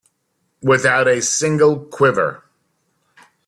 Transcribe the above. Without a single quiver.